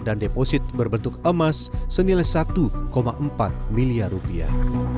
dan deposit berbentuk emas senilai satu empat miliar rupiah